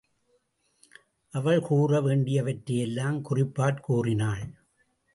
அவள் கூற வேண்டியவற்றை எல்லாம் குறிப்பாற் கூறினாள்.